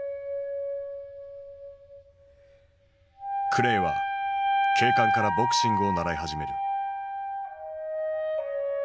クレイは警官からボクシングを習い始める。